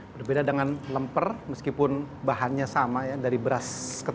berbeda dengan lemper meskipun bahannya sama ya dari beras ketan